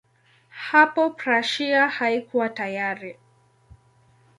Hapo Prussia haikuwa tayari.